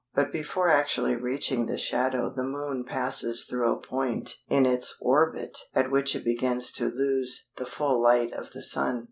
But before actually reaching the shadow the Moon passes through a point in its orbit at which it begins to lose the full light of the Sun.